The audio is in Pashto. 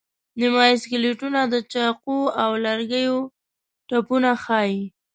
نیمایي سکلیټونه د چاقو او لرګي ټپونه ښيي.